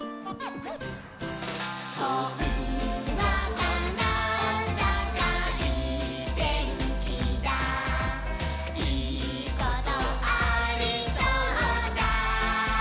「ほんわかなんだかいいてんきだいいことありそうだ！」